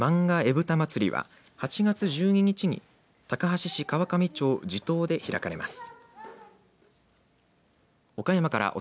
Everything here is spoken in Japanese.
ぶたまつりは８月１２日に高梁市川上町地頭で開かれます。